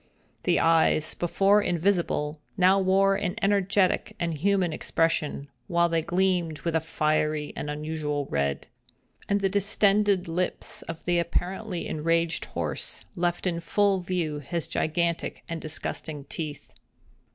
The eyes, before invisible, now wore an energetic and human expression, while they gleamed with a fiery and unusual red; and the distended lips of the apparently enraged horse left in full view his gigantic and disgusting teeth.